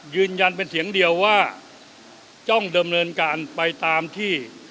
ยืนยันเป็นเสียงเดียวว่าต้องดำเนินการไปตามที่